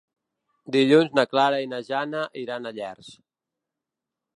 Dilluns na Clara i na Jana iran a Llers.